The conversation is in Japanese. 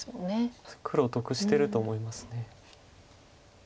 黒得してると思います。